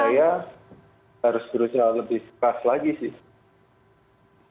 menurut saya harus berusaha lebih sepas lagi sih